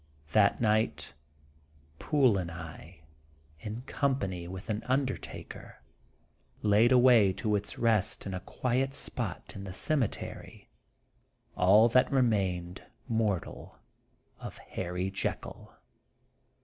That night, Poole and I, in company with an undertaker, laid away to its rest in a quiet spot in the cemetery, all that remained mortal of Harry Jekyll.